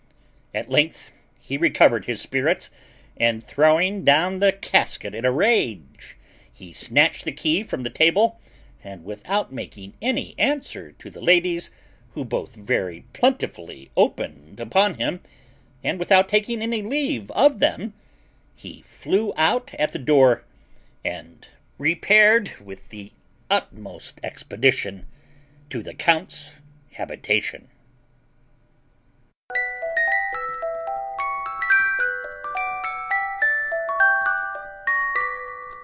At length he recovered his spirits, and, throwing down the casket in a rage, he snatched the key from the table, and, without making any answer to the ladies, who both very plentifully opened upon him, and without taking any leave of them, he flew out at the door, and repaired with the utmost expedition to the count's habitation.